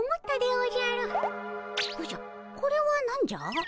おじゃこれは何じゃ？